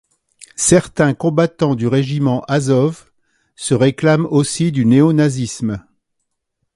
Certains combattants du régiment Azov se réclament aussi du néonazisme.